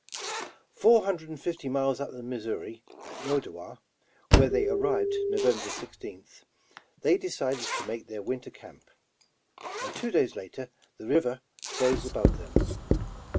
Four hundred and fifty miles up the Missouri, at No dowa, where they arrived Nov. 16th, they decided to make their winter camp, and two days later the river froze above them.